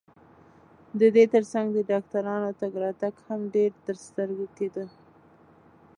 د دې ترڅنګ د ډاکټرانو تګ راتګ هم ډېر ترسترګو کېده.